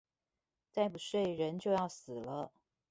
再不睡人就要死了